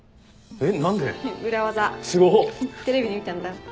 えっ？